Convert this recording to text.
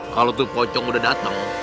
kalau tuh pocong udah datang